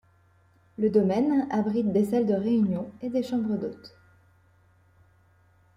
Le domaine abrite des salles de réunions et des chambres d'hôtes.